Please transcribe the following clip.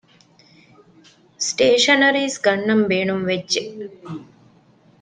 ސްޓޭޝަނަރީޒް ގަންނަން ބޭނުންވެއްޖެ